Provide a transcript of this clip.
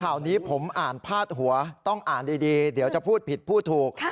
ข่าวนี้ผมอ่านพาดหัวต้องอ่านดีเดี๋ยวจะพูดผิดพูดถูก